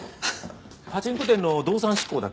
パチンコ店の動産執行だっけ？